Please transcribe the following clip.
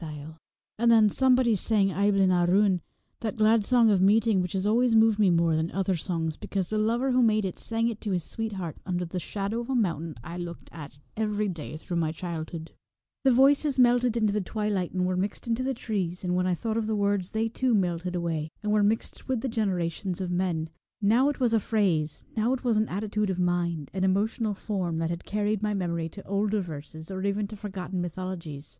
Then some of the men stood up and began to dance, while another lilted the measure they danced to, and then somebody sang Eiblin a Ruin, that glad song of meeting which has always moved me more than other songs, because the lover who made it sang it to his sweetheart under the shadow of a mountain I looked at every 231 The day through my childhood. The voices Twilight, melted into the twilight, and were mixed into the trees, and when I thought of the words they too metted away, and were mixed with the generations of men. Now it was a phrase, now it was an attitude of mind, an emotional form, that had carried my memory to older verses, or even to forgotten mythologies.